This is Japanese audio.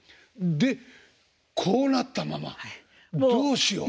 でこうなったままどうしよう。